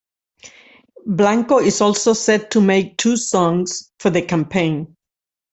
Blanco is also set to make two songs for the campaign.